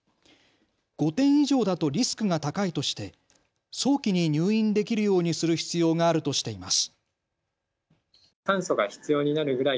５点以上だとリスクが高いとして早期に入院できるようにする必要があるとしています。